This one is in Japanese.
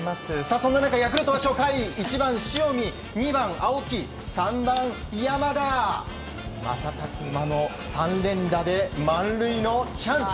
そんな中、ヤクルト１番、塩見２番、青木３番、山田瞬く間の３連打で満塁のチャンス。